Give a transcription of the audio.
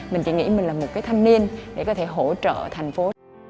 mình chỉ nghĩ mình là một cái thanh niên để có thể hỗ trợ thành phố